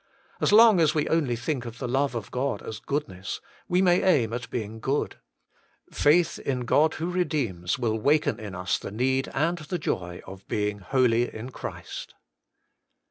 As long as we only think of the hue of God as goodness, we may aim at being good ; faith in God who redeems will waken in us the need and the joy of being holy in Christ.